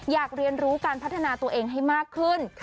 อยากเรียนรู้การพัฒนาตัวเองให้มากขึ้น